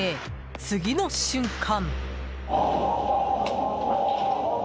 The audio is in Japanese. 次の瞬間。